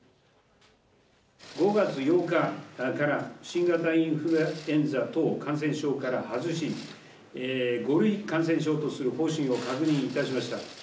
５月８日から、新型インフルエンザ等感染症から外し、５類感染症とする方針を確認いたしました。